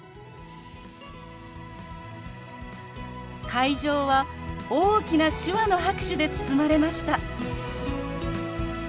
会場は大きな手話の拍手で包まれました。